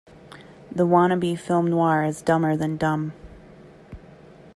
The wannabe film noir is dumber than dumb.